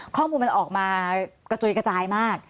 ข้อมูลมันออกมากระจุยกระจายมาก